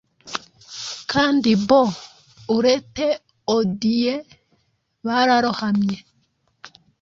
kandi boe urete Odyeu bararohamye.